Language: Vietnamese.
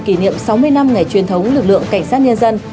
kỷ niệm sáu mươi năm ngày truyền thống lực lượng cảnh sát nhân dân